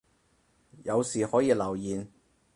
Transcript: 有事可以留言